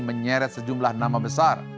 menyeret sejumlah nama besar